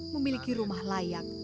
memiliki rumah layak